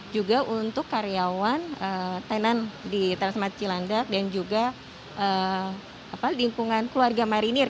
juga untuk karyawan tenan di transmart cilandak dan juga lingkungan keluarga marinir